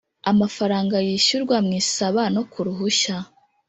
Amafaranga yishyurwa mu isaba no ku ruhushya